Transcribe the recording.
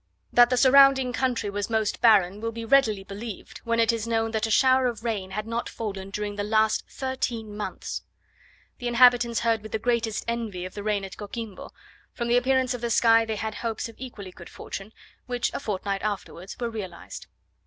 That the surrounding country was most barren will be readily believed, when it is known that a shower of rain had not fallen during the last thirteen months. The inhabitants heard with the greatest envy of the rain at Coquimbo; from the appearance of the sky they had hopes of equally good fortune, which, a fortnight afterwards, were realized.